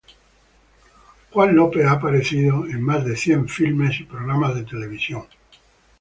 Nikki Fritz ha aparecido en más de cien filmes y programas de televisión.